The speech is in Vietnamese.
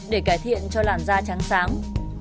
để cải thiện cho làn da trắng sáng